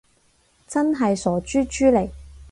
真係傻豬豬嚟